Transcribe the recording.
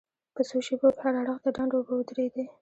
په څو شېبو کې هر اړخ ته ډنډ اوبه ودرېدې.